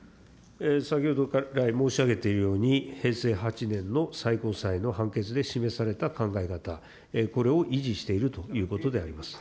先ほど来、申し上げているように、平成８年の最高裁の判決で示された考え方、これを維持しているということであります。